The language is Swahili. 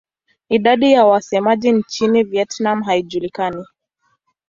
Idadi ya wasemaji nchini Vietnam haijulikani.